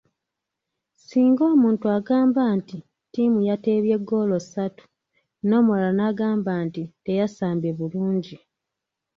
Singa omuntu agamba nti “ttiimu yateebye ggoolo ssatu” n’omulala n’agamba nti “teyasambye bulungi”.